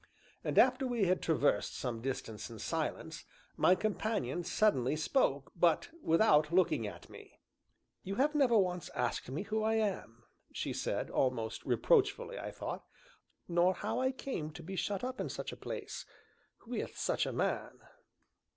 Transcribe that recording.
And after we had traversed some distance in silence, my companion suddenly spoke, but without looking at me. "You have never once asked who I am," she said, almost reproachfully I thought, "nor how I came to be shut up in such a place with such a man."